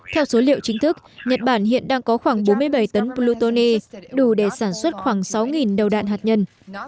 theo số liệu chính thức nhật bản hiện đang có khoảng bốn mươi bảy tấn plutoni đủ để sản xuất khoảng sáu đầu đạn hạt nhân